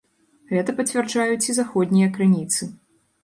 Гэта пацвярджаюць і заходнія крыніцы.